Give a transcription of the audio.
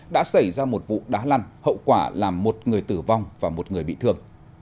đã xảy ra một vụ đá lăn hậu quả làm một người tử vong và một người bị thương